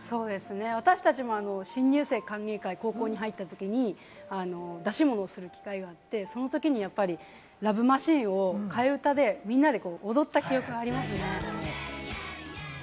そうですね、私達も新入生歓迎会、高校に入ったときに出し物をする機会があって、そのときに『ＬＯＶＥマシーン』を替え歌でみんなで踊った記憶がありますね。